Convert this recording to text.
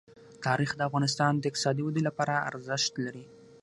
تاریخ د افغانستان د اقتصادي ودې لپاره ارزښت لري.